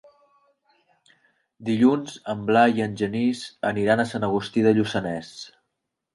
Dilluns en Blai i en Genís aniran a Sant Agustí de Lluçanès.